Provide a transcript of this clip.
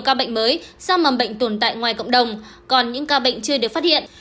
nhiều ca bệnh mới do mầm bệnh tồn tại ngoài cộng đồng còn những ca bệnh chưa được phát hiện